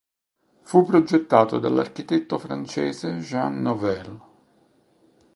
Fu progettato dall'architetto francese Jean Nouvel.